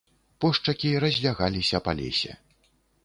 Пошчакі разлягаліся па лесе.